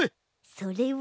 それは。